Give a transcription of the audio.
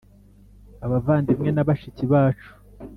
Abavandimwe na bashiki bacu